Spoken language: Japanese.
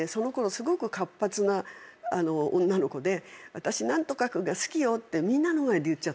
すごく活発な女の子で「私何とか君が好きよ」ってみんなの前で言っちゃったんです。